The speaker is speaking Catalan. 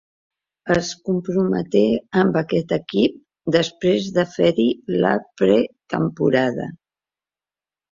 Es comprometé amb aquest equip després de fer-hi la pretemporada.